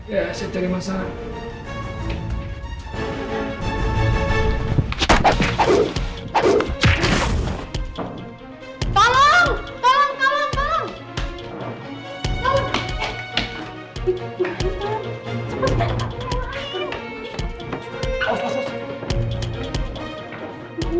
ya saya mencari masalah